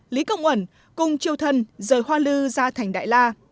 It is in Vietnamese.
lý công uẩn cùng triều thân rời hoa lư ra thành đại la